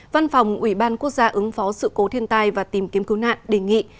văn phòng ủy ban quốc gia ứng phó sự cố thiên tai và tìm kiếm cứu nạn đề nghị